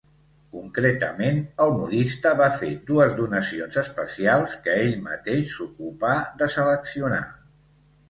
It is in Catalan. Concretament, el modista va fer dues donacions especials que ell mateix s'ocupà de seleccionar.